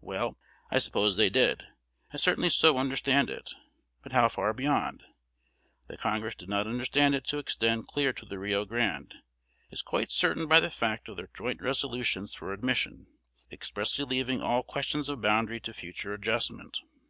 Well, I suppose they did, I certainly so understand it, but how far beyond? That Congress did not understand it to extend clear to the Rio Grande, is quite certain by the fact of their joint resolutions for admission, expressly leaving all questions of boundary to future adjustment.